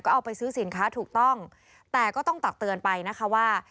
เอาไปซื้อสินค้าถูกต้องแต่ก็ต้องตักเตือนไปนะคะว่า